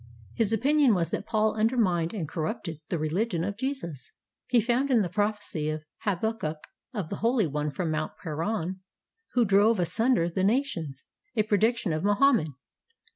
His opinion was that Paul undermined and corrupted the religion of Jesus. He found in the prophecy of Habakkuk of the Holy One from Mount Paran, who drove asunder the nations, a prediction of Mohammed.